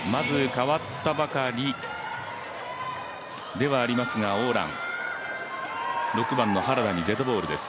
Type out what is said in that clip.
代わったばかりではありますが王蘭、６番の原田にデッドボールです。